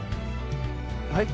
はい？